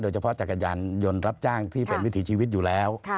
จักรยานยนต์รับจ้างที่เป็นวิถีชีวิตอยู่แล้ว